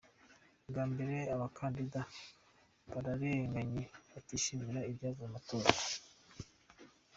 Bwa mbere abakandida barareganye batishimira ibyavuye mu matora.